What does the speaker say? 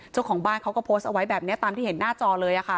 เจ้าของบ้านเขาก็โพสต์เอาไว้แบบนี้ตามที่เห็นหน้าจอเลยค่ะ